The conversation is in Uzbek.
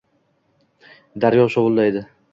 Daryo shovullaydi.